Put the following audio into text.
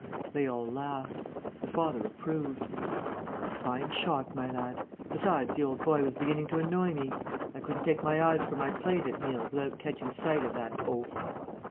They all laughed. The father approved: "A fine shot, my lad. Besides, the old boy was beginning to annoy me. I couldn't take my eyes from my plate at meals without catching sight of that oaf...."